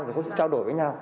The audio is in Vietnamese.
và có sự trao đổi với nhau